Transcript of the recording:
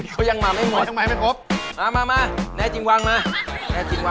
เค้ายังมาไม่หมดกับใหม่ไม่ครบเค้ายังมาไม่หมด